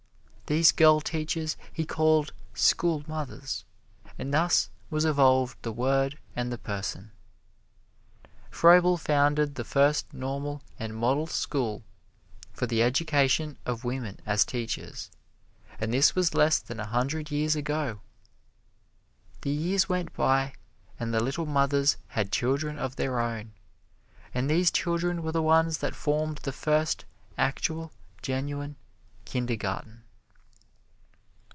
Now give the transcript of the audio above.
These girl teachers he called school mothers, and thus was evolved the word and the person. Froebel founded the first normal and model school for the education of women as teachers, and this was less than a hundred years ago. The years went by and the little mothers had children of their own, and these children were the ones that formed the first actual, genuine kindergarten.